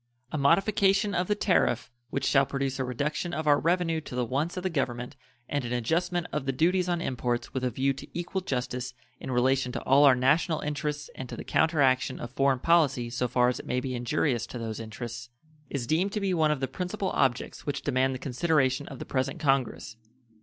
A modification of the tariff which shall produce a reduction of our revenue to the wants of the Government and an adjustment of the duties on imports with a view to equal justice in relation to all our national interests and to the counteraction of foreign policy so far as it may be injurious to those interests, is deemed to be one of the principal objects which demand the consideration of the present Congress.